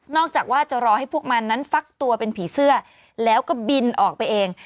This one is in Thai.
จากว่าจะรอให้พวกมันนั้นฟักตัวเป็นผีเสื้อแล้วก็บินออกไปเอง